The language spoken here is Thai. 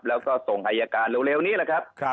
แล้วก็ส่งอายการเร็วนี้แหละครับ